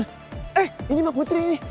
eh ini mah putri nih